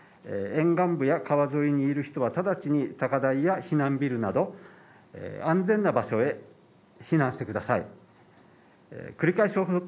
沿岸部や川沿いにいる人は直ちに高台や避難ビルなど安全な場所へ避難してください。